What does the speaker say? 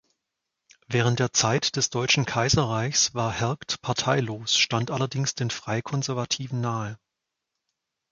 Während der Zeit des Deutschen Kaiserreichs war Hergt parteilos, stand allerdings den Freikonservativen nahe.